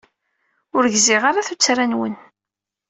Ur gziɣ ara tuttra-nwen.